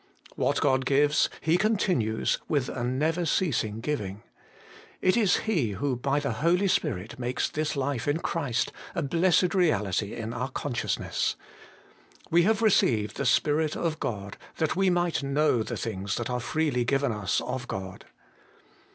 What God gives, He con tinues with a never ceasing giving. It is He who by the Holy Spirit makes this life in Christ a blessed reality in our consciousness. 'We have received the Spirit of God that we might know the things that are freely given us of God.'